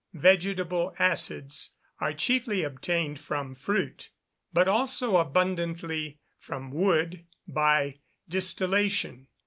_ Vegetable acids are chiefly obtained from fruit; but also abundantly from wood, by distillation.